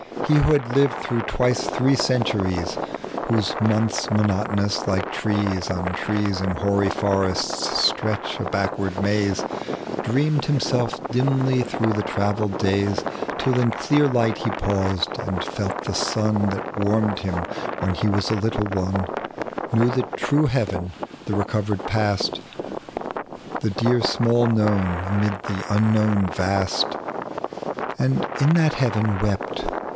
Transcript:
He who had lived through twice thjee centuries. Whose months monotonous, like trees on trees In hoary forests, stretched a backward maze, Dreamed himself dimly through the travelled days .tec bv Google 24 THE LEaBND OF JUBAL. Till in clear light he paused, and felt the sun That warmed him when he was a Uttle one ; Knew that true heaven, the recovered paat, The dear small Known amid the Unknown vast, And in that heaven wept.